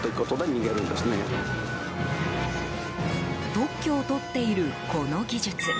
特許を取っているこの技術。